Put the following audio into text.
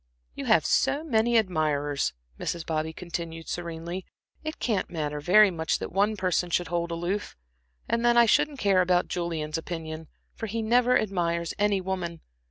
"You have so many admirers," Mrs. Bobby continued serenely, "it can't matter very much that one person should hold aloof. And then I shouldn't care about Julian's opinion, for he never admires any woman.